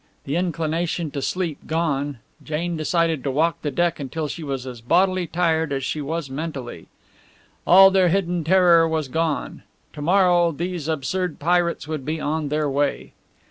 The inclination to sleep gone, Jane decided to walk the deck until she was as bodily tired as she was mentally. All the hidden terror was gone. To morrow these absurd pirates would be on their way.